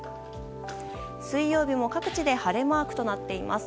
水曜日も各地で晴れマークとなっています。